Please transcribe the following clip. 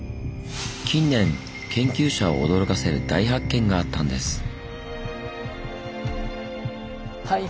近年研究者を驚かせる大発見があったんです。